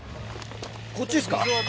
こっちですか？